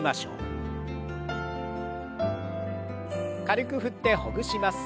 軽く振ってほぐします。